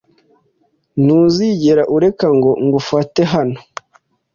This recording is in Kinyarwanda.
Ntuzigere ureka ngo ngufate hano.